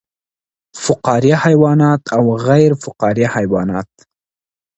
فقاریه حیوانات او غیر فقاریه حیوانات